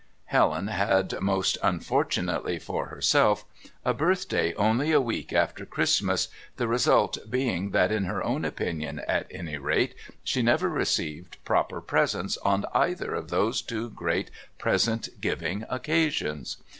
Helen had, most unfortunately for herself, a birthday only a week after Christmas, the result being that, in her own opinion at any rate, she never received "proper presents" on either of those two great present giving occasions.